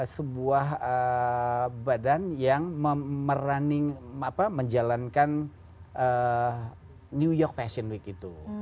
sebuah badan yang menjalankan new york fashion week itu